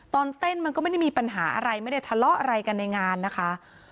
ตอนเต้นมันก็ไม่ได้มีปัญหาอะไรไม่ได้ทะเลาะอะไรกันในงานนะคะ